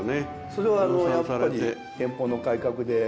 それはやっぱり天保の改革で。